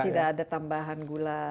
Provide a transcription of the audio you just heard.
tidak ada tambahan gula